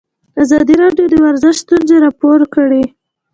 ازادي راډیو د ورزش ستونزې راپور کړي.